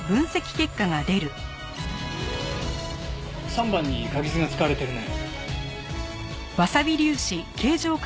３番に柿酢が使われてるね。